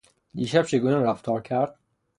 دیشب چگونه رفتار کرد؟